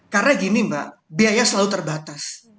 karena gini mbak biaya selalu terbatas